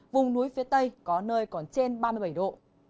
vùng núi phía tây có nơi còn trên ba mươi bảy độ